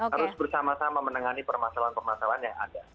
harus bersama sama menangani permasalahan permasalahan yang ada